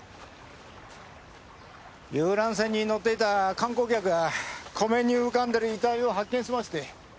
遊覧船に乗っていた観光客が湖面に浮かんでいる遺体を発見しまして。